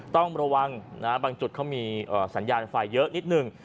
ต้องระวังนะบางจุดเขามีสัญญาณไฟเยอะนิดนึง